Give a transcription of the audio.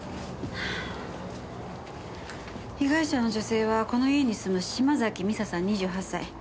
被害者の女性はこの家に住む島崎未紗さん２８歳。